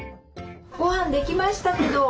ごはんできましたけど。